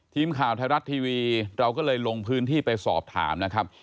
ทีมข่าวไทยรัฐทีวีเราก็เลยลงพื้นที่ไปสอบถามนะครับ